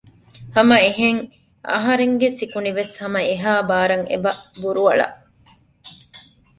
ހަމައެހެން އަހަރެންގެ ސިކުނޑިވެސް ހަމަ އެހާ ބާރަށް އެބަ ބުރުއަޅަ